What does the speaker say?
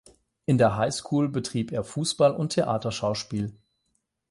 In der High School betrieb er Fußball und Theaterschauspiel.